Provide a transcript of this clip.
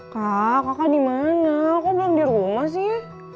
kak kakak dimana kok belum di rumah sih